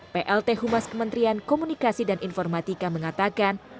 plt humas kementerian komunikasi dan informatika mengatakan